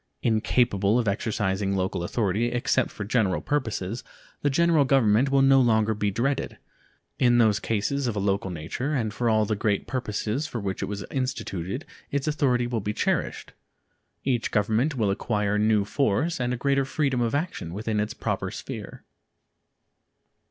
Incapable of exercising local authority except for general purposes, the General Government will no longer be dreaded. In those cases of a local nature and for all the great purposes for which it was instituted its authority will be cherished. Each Government will acquire new force and a greater freedom of action within its proper sphere.